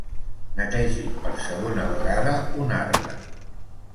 Netegi per segona vegada un arbre.